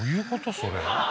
それ。